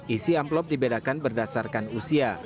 isi amplop dibedakan berdasarkan usia